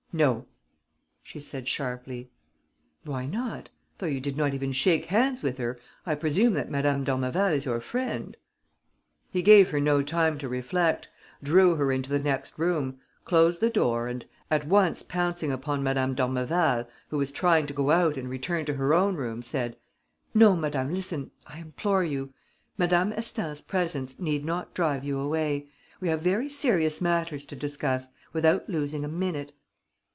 "No," she said, sharply. "Why not? Though you did not even shake hands with her, I presume that Madame d'Ormeval is your friend?" He gave her no time to reflect, drew her into the next room, closed the door and, at once pouncing upon Madame d'Ormeval, who was trying to go out and return to her own room, said: "No, madame, listen, I implore you. Madame Astaing's presence need not drive you away. We have very serious matters to discuss, without losing a minute."